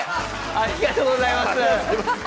ありがとうございます。